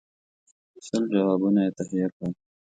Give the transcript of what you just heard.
سل جوابونه یې تهیه کړل.